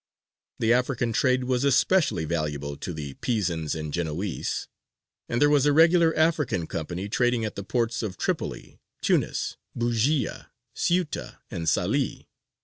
The African trade was especially valuable to the Pisans and Genoese, and there was a regular African company trading at the Ports of Tripoli, Tunis, Bujēya, Ceuta, and Salē.